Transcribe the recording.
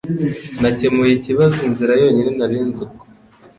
Nakemuye ikibazo inzira yonyine nari nzi uko